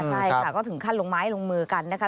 ใช่ค่ะก็ถึงขั้นลงไม้ลงมือกันนะคะ